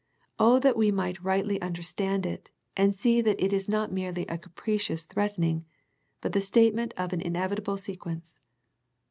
Oh, that we might rightly understand it, and see that it is not merely a capricious threatening, but the statement of an inevitable sequence.